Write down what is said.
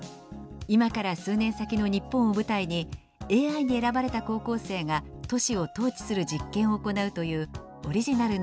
今から数年先の日本を舞台にＡＩに選ばれた高校生が都市を統治する実験を行うというオリジナルのＳＦドラマです。